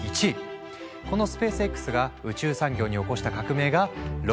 このスペースＸが宇宙産業に起こした革命がロケットの価格破壊。